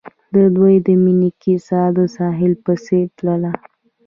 د دوی د مینې کیسه د ساحل په څېر تلله.